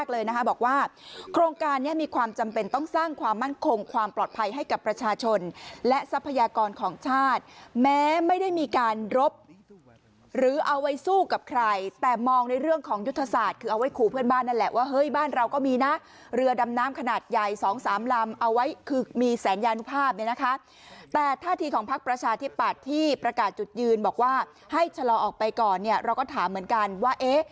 และทรัพยากรของชาติแม้ไม่ได้มีการรบหรือเอาไว้สู้กับใครแต่มองในเรื่องของยุทธศาสตร์คือเอาไว้ขู่เพื่อนบ้านนั่นแหละว่าเฮ้ยบ้านเราก็มีนะเรือดำน้ำขนาดใหญ่๒๓ลำเอาไว้คือมีสัญญาณภาพนะคะแต่ท่าทีของพักประชาธิปัตย์ที่ประกาศจุดยืนบอกว่าให้ชะลอออกไปก่อนเนี่ยเราก็ถามเหมือนกันว่